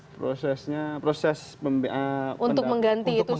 prosesnya proses untuk mengganti itu semua